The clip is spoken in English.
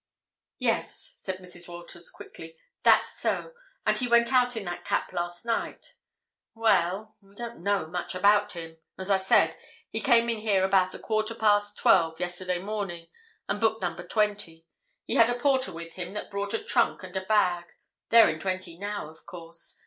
"Yes," said Mrs. Walters quickly, "that's so. And he went out in that cap last night. Well—we don't know much about him. As I said, he came in here about a quarter past twelve yesterday morning, and booked Number 20. He had a porter with him that brought a trunk and a bag—they're in 20 now, of course.